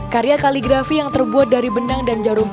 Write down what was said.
karya kaligrafi yang terbuat dari benang dan jarum